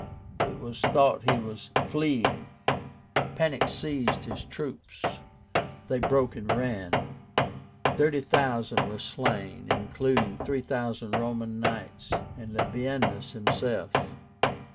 It was thought he was fleeing. Panic seized his troops, they broke and ran. Thirty thousand were slain, including three thousand Roman Knights, and Labiénus himself.